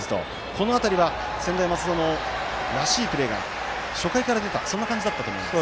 この辺りは専大松戸のらしいプレーが初回から出た感じだったと思います。